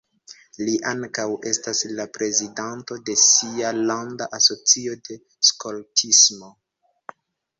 Li ankaŭ estas la prezidanto de sia landa asocio de skoltismo.